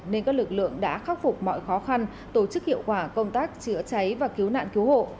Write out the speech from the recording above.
nên các lực lượng đã khắc phục mọi khó khăn tổ chức hiệu quả công tác chữa cháy và cứu nạn cứu hộ